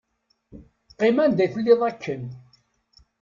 Qqim anda i telliḍ akken.